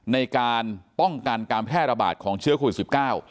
ในการป้องกันการแพร่ระบาดของเชื้อโควิดสิบเก้า